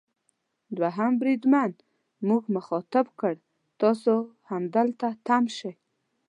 دوهم بریدمن موږ مخاطب کړ: تاسو همدلته تم شئ.